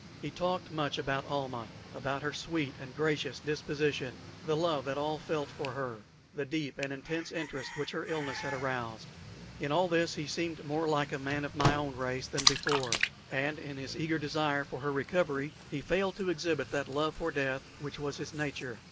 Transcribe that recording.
He talked much about Almah about her sweet and gracious disposition, the love that all felt for her, the deep and intense interest which her illness had aroused. In all this he seemed more like a man of my own race than before, and in his eager desire for her recovery he failed to exhibit that love for death which was his nature.